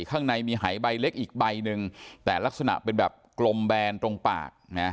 ข้างในมีหายใบเล็กอีกใบหนึ่งแต่ลักษณะเป็นแบบกลมแบนตรงปากนะ